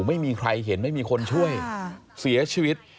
ไม่มีใครเห็นไม่มีคนช่วยเสียชีวิต